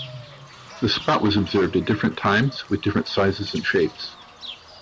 The spot was observed at different times with different sizes and shapes.